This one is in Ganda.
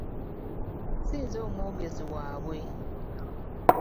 si nze omwogezi waabwe.